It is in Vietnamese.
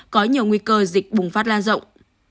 có nhiều nguy cơ dịch bùng phát lan rộng